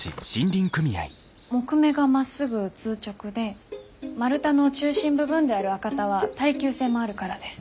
木目がまっすぐ通直で丸太の中心部分である赤太は耐久性もあるからです。